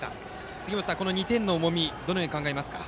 杉本さん、この２点の重みどう考えますか。